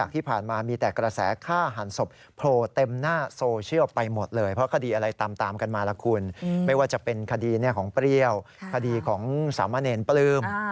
ของเปรี้ยวคดีของสามะเน่นปลื้ม